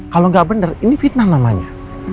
kalau nggak benar ini fitnah namanya